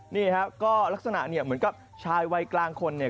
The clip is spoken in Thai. นี่ฮะก็ลักษณะเนี่ยเหมือนกับชายวัยกลางคนเนี่ย